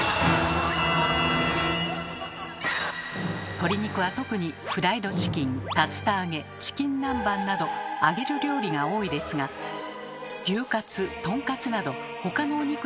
鶏肉は特にフライドチキン竜田揚げチキン南蛮など揚げる料理が多いですが牛カツとんかつなど他のお肉でも揚げる料理はありますよね。